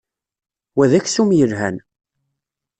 Wa d aksum yelhan.